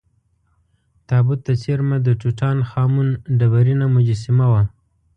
تابوت ته څېرمه د ټوټا ن خا مون ډبرینه مجسمه وه.